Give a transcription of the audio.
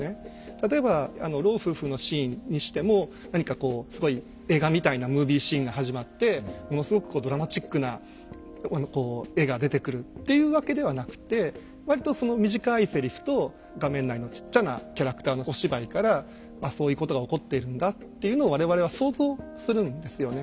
例えば老夫婦のシーンにしても何かこうすごい映画みたいなムービーシーンが始まってものすごくこうドラマチックなこう絵が出てくるっていうわけではなくて割とその短いセリフと画面内のちっちゃなキャラクターのお芝居から「そういうことが起こっているんだ」っていうのを我々は想像するんですよね。